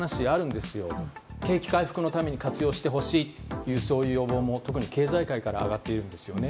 景気回復のために活用してほしいという声も経済界から上がっています。